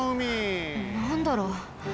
なんだろう？